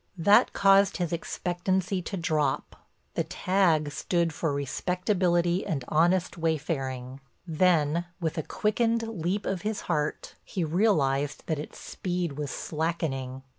That caused his expectancy to drop—the tag stood for respectability and honest wayfaring, then, with a quickened leap of his heart, he realized that its speed was slackening.